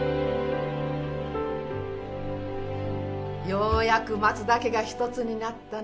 ようやく松田家が一つになったな。